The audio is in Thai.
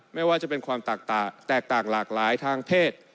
ไม่ว่าจะเป็นความแตกต่างหลากหลายทางเพศ